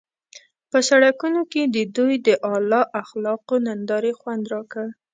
په سړکونو کې د دوی د اعلی اخلاقو نندارې خوند راکړ.